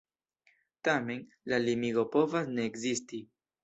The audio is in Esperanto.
Tamen, la limigo povas ne ekzisti.